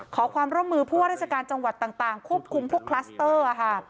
ขอความร่วมมือผู้ว่าราชการจังหวัดต่างควบคุมพวกคลัสเตอร์ค่ะ